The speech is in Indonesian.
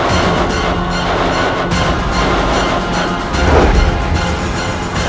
aku akan mencari dia